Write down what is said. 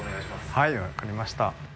はいわかりました。